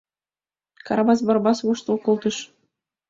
– Карабас Барабас воштыл колтыш.